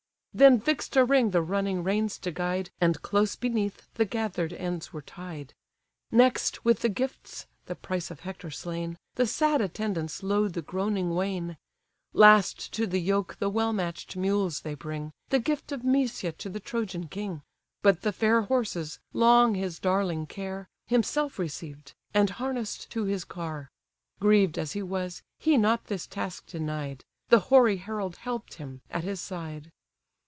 Then fix'd a ring the running reins to guide, And close beneath the gather'd ends were tied. Next with the gifts (the price of Hector slain) The sad attendants load the groaning wain: Last to the yoke the well matched mules they bring, (The gift of Mysia to the Trojan king.) But the fair horses, long his darling care, Himself received, and harness'd to his car: Grieved as he was, he not this task denied; The hoary herald help'd him, at his side.